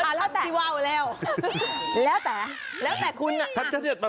แล้วที่ว่าวแล้วแล้วแต่แล้วแต่คุณอ่ะ